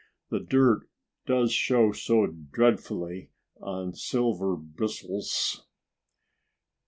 The dirt does show so dreadfully on silver bristles!"